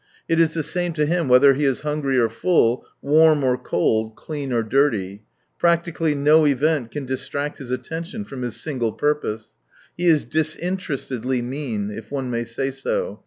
It is the same to him whether he is hungry or full, warm or cold, clean or dirty. Practically no event can distract his attention from his single purpose. He is disinterestedly mean, if one may say so.